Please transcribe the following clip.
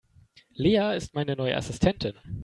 Lea ist meine neue Assistentin.